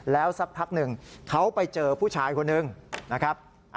แล้วสักพักหนึ่งเขาไปเจอผู้ชายคนหนึ่งนะครับ